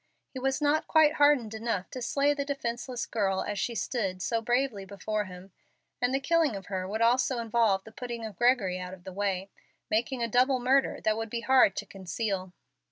He was not quite hardened enough to slay the defenceless girl as she stood so bravely before him, and the killing of her would also involve the putting of Gregory out of the way, making a double murder that would be hard to conceal.